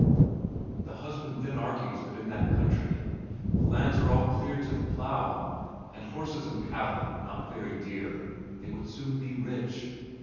The husband then argues that as in that country the lands are all cleared to the plow, and horses and cattle not very dear, they would soon be rich.